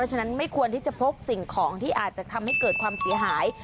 ฉะนั้นไม่ควรที่จะพกสิ่งของที่อาจจะทำให้เกิดความเสียหาย